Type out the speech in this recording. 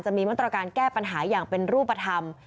มีมาตรการแก้ปัญหาอย่างเป็นรูปธรรม